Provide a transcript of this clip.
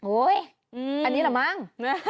อุ๊ยอันนี้แหละมั้ง